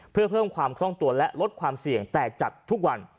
เพื่อเพิ่มความคล่องตัวและลดความเสี่ยงแต่จัดทุกวัน